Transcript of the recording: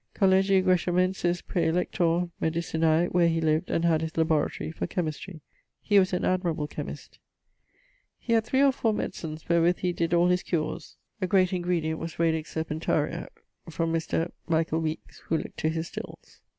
Collegii Greshamensis Praelector medicinae; where he lived, and had his laboratory for Chymistrie. He was an admirable Chymist. He had three or fower medicines wherwith he did all his cures: a great ingredient was Radix Serpentaria. From Mr. Mich. Weekes, who looked to his stills.